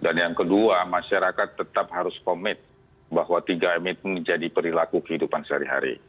dan yang kedua masyarakat tetap harus komit bahwa tiga m itu menjadi perilaku kehidupan sehari hari